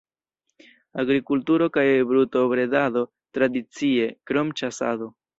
Agrikulturo kaj brutobredado tradicie, krom ĉasado.